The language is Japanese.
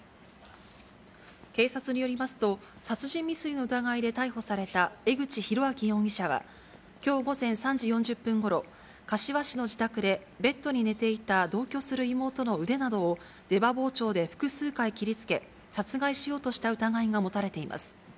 警察によりますと、殺人未遂の疑いで逮捕された江口弘晃容疑者は、きょう午前３時４０分ごろ、柏市の自宅でベッドに寝ていた同居する妹の腕などを、出刃包丁で複数回切りつけ、殺害しようとした疑いが持たれています。